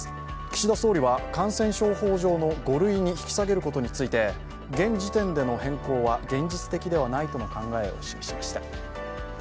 岸田総理は感染症法上の５類に引き下げることについて現時点での変更は現実的ではないとの考えを示しました。